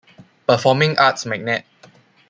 Performing Arts Magnet.